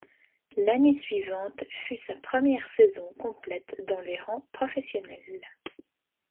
L'année suivante fut sa première saison complète dans les rangs professionnels.